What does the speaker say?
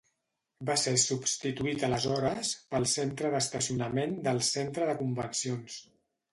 Va ser substituït aleshores pel centre d'estacionament del centre de convencions.